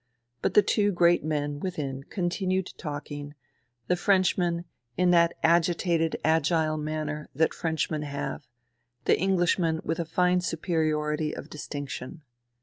But the two great men within continued talking, the French man in that agitated, agile manner that Frenchmen have, the Englishman with a fine superiority of distinction.